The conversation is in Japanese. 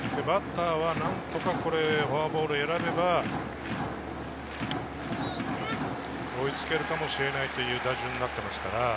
バッターが何とかフォアボールを選べば、追いつけるかもしれないという打順になっていますから。